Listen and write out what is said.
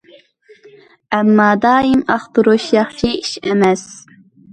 ئەمما دائىم ئاختۇرۇش ياخشى ئىش ئەمەس.